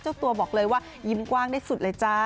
เจ้าตัวบอกเลยว่ายิ้มกว้างได้สุดเลยจ้า